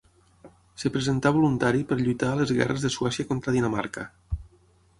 Es presentà voluntari per lluitar a les guerres de Suècia contra Dinamarca.